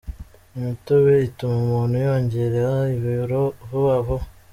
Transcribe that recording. Imitobe ituma umuntu yiyongera ibiro vuba vuba.